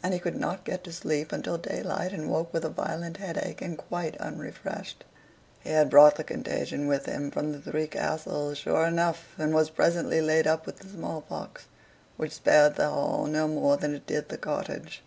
And he could not get to sleep until daylight, and woke with a violent headache, and quite unrefreshed. He had brought the contagion with him from the "Three Castles" sure enough, and was presently laid up with the smallpox, which spared the hall no more than it did the cottage.